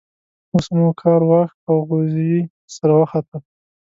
اوس مو کار واښ او غوزی سره وختی.